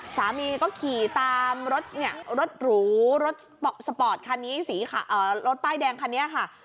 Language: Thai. สามีก็ขี่ตามรถเนี่ยรถหรูรถสปอร์ตคันนี้สีรถป้ายแดงคันนี้ค่ะ